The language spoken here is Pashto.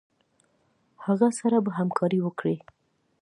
هغه سره به همکاري وکړي.